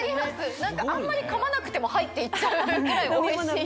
何かあんまりかまなくても入って行っちゃうぐらいおいしい。